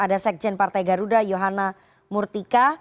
ada sekjen partai garuda yohana murtika